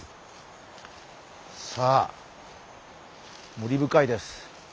さあ森深いです。